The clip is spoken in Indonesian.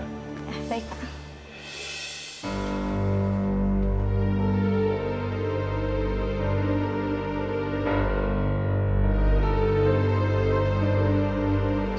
ya baik pak